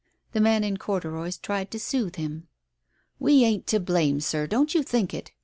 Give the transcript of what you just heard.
. The man in corduroys tried to soothe him. "We ain't to blame, Sir, don't you think it!